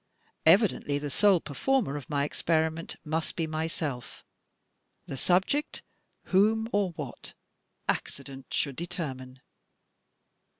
Evidently the sole per former of my experiment must be myself; the subject whom or what? Accident should determine.